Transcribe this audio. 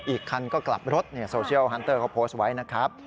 อีกคันก็กลับรถโซเชียลฮันเตอร์เขาโพสต์ไว้นะครับ